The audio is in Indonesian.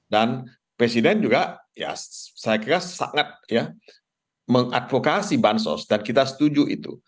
dan presiden juga ya saya kira sangat ya mengadvokasi bansos dan kita setuju itu